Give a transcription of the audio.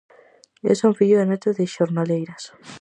Eu son fillo e neto de xornaleiras.